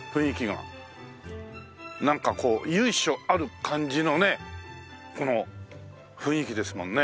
なんかこう由緒ある感じのねこの雰囲気ですもんね。